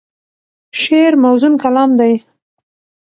شعر موزون کلام دی.